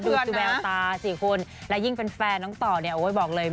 ดูแบบตา๔คนและยิ่งแฟนน้องต่อเนี่ยเอาไว้บอกเลย